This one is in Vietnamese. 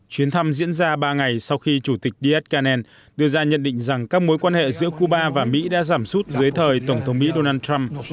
chuyến thăm diễn ra ba ngày sau khi chủ tịch díaz canel đưa ra nhận định rằng các mối quan hệ giữa cuba và mỹ đã giảm suốt dưới thời tổng thống mỹ donald trump